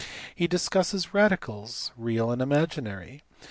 He discusses radicals, real and imaginary.